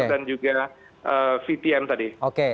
dan juga vtm tadi